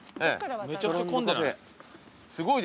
めちゃくちゃ混んでない？